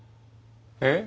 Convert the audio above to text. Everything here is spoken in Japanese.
えっ？